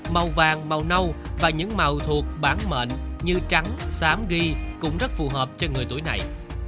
màu vàng màu nâu và những màu thuộc bản mệnh như trắng sám ghi cũng rất phù hợp cho người tuổi này